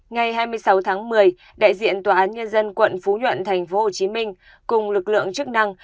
ngày hai mươi sáu tháng một mươi đại diện tòa án nhân dân quận phú nhuận tp hcm cùng lực lượng chức năng